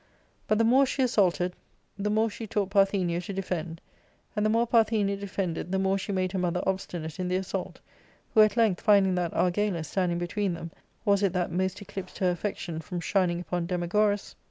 But the more she assaulted the more she taught ' Parthenia to defend, and the more Parthenia defended the more she made her mother obstinate in the assault, who at length finding that Argalus, standing between them, was it that most eclipsed her Siffection fromr shining upon Demagoras, * Witty — Full of design and resource, sharp witted.